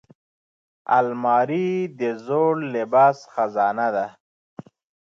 الماري د زوړ لباس خزانه ده